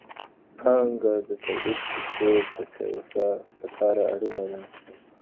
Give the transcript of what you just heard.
پانګه د توليدي سکتور د پياوړتيا لپاره اړينه ده.